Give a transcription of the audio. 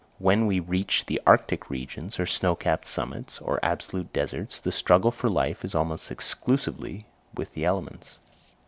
When we reach the Arctic regions, or snow capped summits, or absolute deserts, the struggle for life is almost exclusively with the elements.